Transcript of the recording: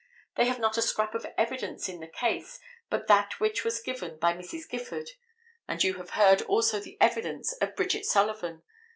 They have not a scrap of evidence in the case but that which was given by Mrs. Gifford, and you have heard also the evidence of Bridget Sullivan.